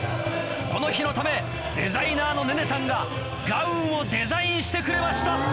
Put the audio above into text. この日のためデザイナーの寧々さんがガウンをデザインしてくれました。